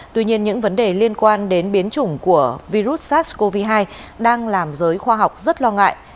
tuy nhiên những vấn đề liên quan đến biến chủng của virus sars cov hai đang làm giới khoa học rất lo ngại